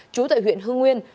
trú tại huyện hưng nguyên